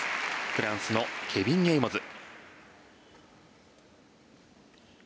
フランス、ケビン・エイモズ。